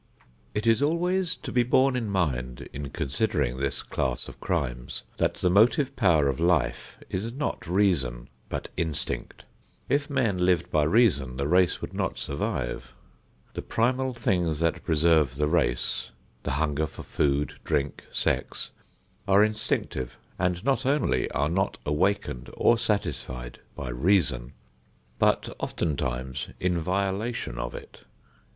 It is always to be borne in mind in considering this class of crimes that the motive power of life is not reason but instinct. If men lived by reason the race would not survive. The primal things that preserve the race, the hunger for food, drink, sex, are instinctive and not only are not awakened or satisfied by reason, but oftentimes in violation of it.